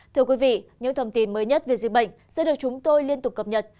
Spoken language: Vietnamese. thưa quý vị những thông tin mới nhất về dịch bệnh sẽ được chúng tôi liên tục cập nhật